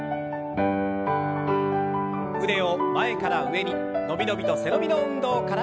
腕を前から上に伸び伸びと背伸びの運動から。